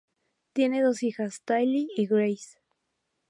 Tienen dos hijas, Tilly y Grace.